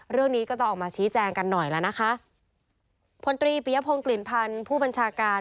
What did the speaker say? เรื่องนี้ก็ต้องออกมาชี้แจงกันหน่อยแล้วนะคะ